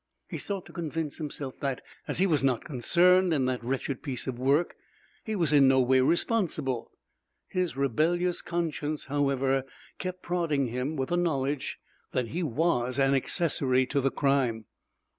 He sought to convince himself that, as he was not concerned in that wretched piece of work, he was in no way responsible. His rebellious conscience, however, kept prodding him with the knowledge that he was "an accessory to the crime."